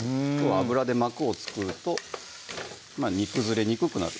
油で膜を作ると煮崩れにくくなる